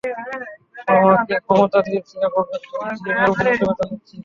তোমাকে ক্ষমতা দিয়েছি এবং একজন জিএম এর উপযুক্ত বেতন দিচ্ছি।